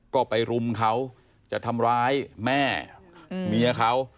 ก็ไปรุมเขาจะทำร้ายแม่เมียเขา